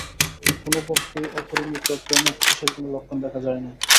কোনো পক্ষেই অপরিমিত প্রেমোচ্ছ্বাসের কোনো লক্ষণ দেখা যায় নাই।